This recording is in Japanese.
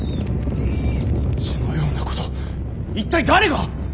そのようなこと一体誰が！